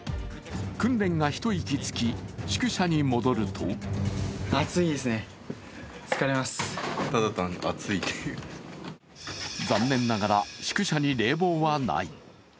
訓練が一息つき、宿舎に戻ると残念ながら宿舎に冷房はない。